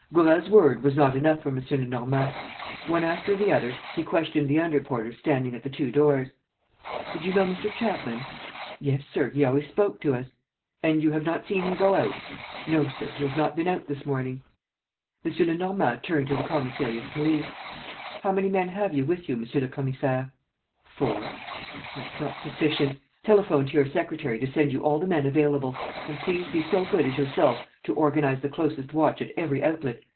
Gourel's word was not enough for M. Lenormand. One after the other, he questioned the under porters standing at the two doors: "Did you know Mr. Chapman?" "Yes, sir, he always spoke to us." "And you have not seen him go out?" "No, sir. He has not been out this morning." M. Lenormand turned to the commissary of police: "How many men have you with you, Monsieur le Commissaire?" "Four." "That's not sufficient. Telephone to your secretary to send you all the men available. And please be so good as yourself to organize the closest watch at every outlet.